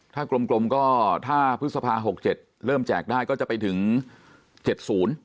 ถ้ากลมก็ถ้าพฤษภา๖๗เริ่มแจกได้ก็จะไปถึง๗ศูนย์